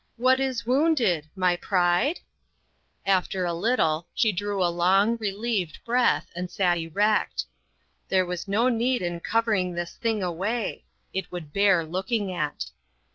What is wounded, my pride ?" After a little she drew a long, re lieved breath, and sat erect. There was no need in covering this thing away ; it would bear looking at.